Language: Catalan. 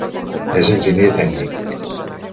És enginyer tècnic.